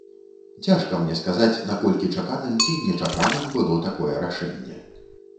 Цяжка мне сказаць, наколькі чаканым ці нечаканым было такое рашэнне.